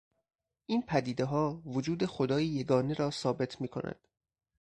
این پدیدهها وجود خدایی یگانه را ثابت می کند.